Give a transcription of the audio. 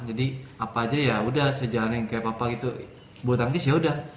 jadi apa aja yaudah saya jalanin kayak papa gitu bulu tangkis yaudah